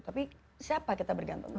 tapi siapa kita bergantung